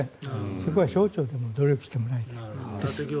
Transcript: そこは省庁でも努力してもらいたいです。